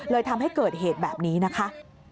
ทำให้เกิดเหตุแบบนี้นะคะ